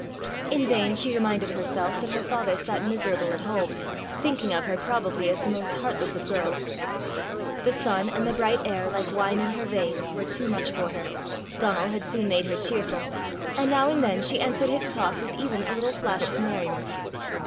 In vain she reminded herself that her father sat miserable at home, thinking of her probably as the most heartless of girls; the sun, and the bright air like wine in her veins, were too much for her, Donal had soon made her cheerful, and now and then she answered his talk with even a little flash of merriment.